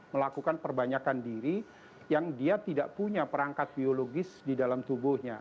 melakukan perbanyakan diri yang dia tidak punya perangkat biologis di dalam tubuhnya